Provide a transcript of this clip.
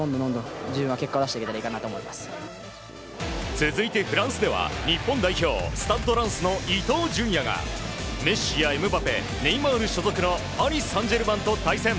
続いて、フランスでは日本代表スタッド・ランスの伊東純也がメッシやエムバペネイマール所属のパリ・サンジェルマンと対戦。